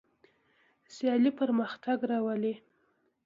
سیالي پرمختګ راولي.